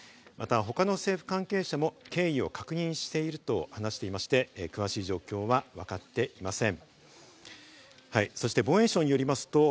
また他の政府関係者も経緯を確認していると話していまして、詳しい状況は分かっていません。